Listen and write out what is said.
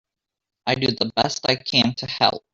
I do the best I can to help.